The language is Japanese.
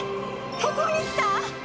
ここに来た！？